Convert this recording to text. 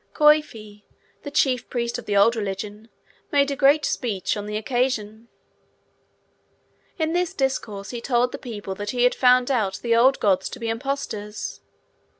Coifi, the chief priest of the old religion, made a great speech on the occasion. In this discourse, he told the people that he had found out the old gods to be impostors.